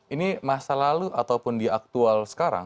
ini masa lalu ataupun di aktual sekarang